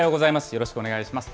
よろしくお願いします。